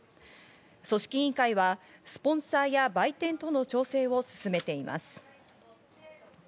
組織委員会はスポンサーや売店との調整を進めています。